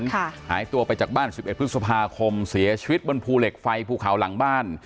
หายตัวไปจากบ้านสิบเอ็ดพฤษภาคมเสียชีวิตบนภูเหล็กไฟภูเขาหลังบ้าน